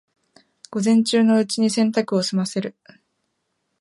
午前中のうちに洗濯を済ませる